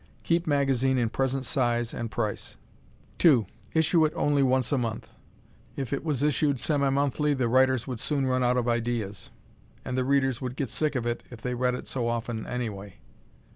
Keep magazine in present size and price. 2. Issue it only once a month. If it was issued semi monthly the writers would soon run out of ideas; and the readers would get sick of it if they read it so often anyway.